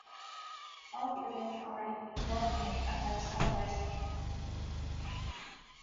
All buildings are in Milwaukee unless otherwise noted